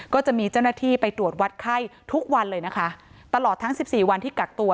ก็จะมีเจ้าหน้าที่ไปตรวจวัดไข้ทุกวันเลยนะคะตลอดทั้งสิบสี่วันที่กักตัว